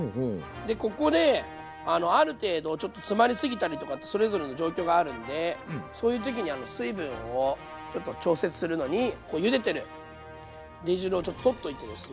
でここである程度ちょっと詰まり過ぎたりとかってそれぞれの状況があるんでそういう時に水分をちょっと調節するのにゆでてる煮汁をちょっと取っといてですね。